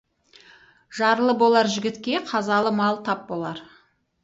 Жарлы болар жігітке қазалы мал тап болар.